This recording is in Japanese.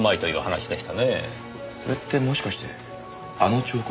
それってもしかしてあの彫刻？